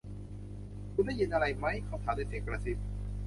คุณได้ยินอะไรมั้ย เขาถามด้วยเสียงกระซิบ